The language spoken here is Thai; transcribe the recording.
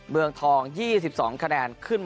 เมืองทอง๒๒คะแนน